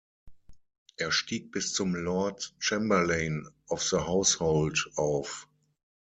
Er stieg bis zum Lord Chamberlain of the Household auf.